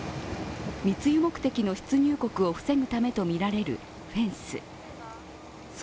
密輸目的の出入国を防ぐためとみられるフェンス。